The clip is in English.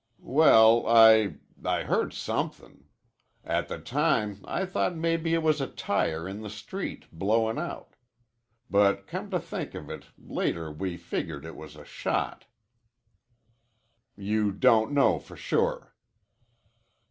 "Well, I I heard somethin'. At the time I thought maybe it was a tire in the street blowin' out. But come to think of it later we figured it was a shot." "You don't know for sure."